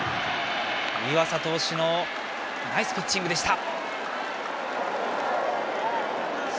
湯浅投手のナイスピッチングでした。